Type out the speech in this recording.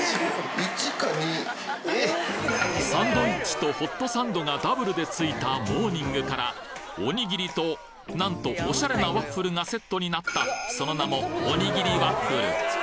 サンドウィッチとホットサンドがダブルで付いたモーニングからおにぎりとなんとおしゃれなワッフルがセットになったその名もおにぎりワッフル